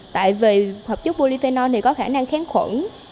tại vì hợp chất polyphenol có khả năng kháng khuẩn